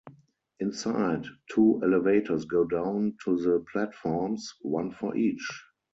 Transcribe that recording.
Inside, two elevators go down to the platforms, one for each.